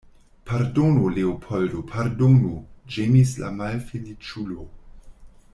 Pardonu, Leopoldo, pardonu, ĝemis la malfeliĉulo.